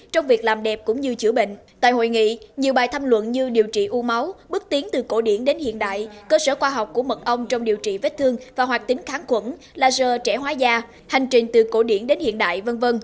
trong việc làm đẹp cũng như chữa bệnh tại hội nghị nhiều bài thăm luận như điều trị u máu bước tiến từ cổ điển đến hiện đại cơ sở khoa học của mật ong trong điều trị vết thương và hoạt tính kháng khuẩn laser trẻ hóa da hành trình từ cổ điển đến hiện đại v v